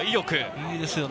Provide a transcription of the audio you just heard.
いいですね。